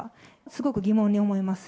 すごく疑問に思います。